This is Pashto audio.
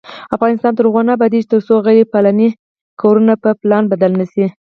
افغانستان تر هغو نه ابادیږي، ترڅو غیر پلاني کورونه په پلان بدل نشي.